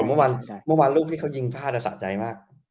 เมื่อวานลูกที่เขายิงพลาดสะใจมาก